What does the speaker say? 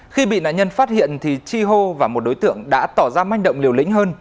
khi bị nạn nhân phát hiện thì chi hô và một đối tượng đã tỏ ra manh động liều lĩnh hơn